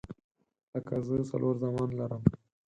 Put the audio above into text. لکه زه څلور زامن لرم